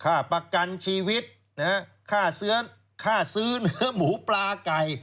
ประกันชีวิตนะฮะค่าซื้อเนื้อหมูปลาไก่